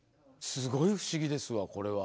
すごい不思議ですわこれは！